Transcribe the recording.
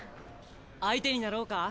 相手になろうか？